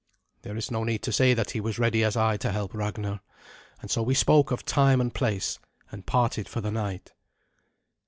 There is no need to say that he was ready as I to help Ragnar, and so we spoke of time and place, and parted for the night.